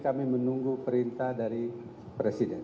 kami menunggu perintah dari presiden